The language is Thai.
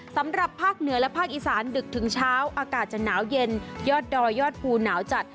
สำหรับภาคเหนือและภาคอีสานดึกถึงเช้าอากาศจะหนาวเย็นยอดดอยยอดภูหนาวจัด